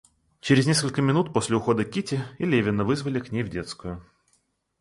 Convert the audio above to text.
Через несколько минут после ухода Кити, и Левина вызвали к ней в детскую.